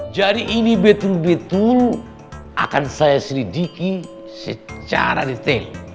jadi ini betul betul akan saya selidiki secara detail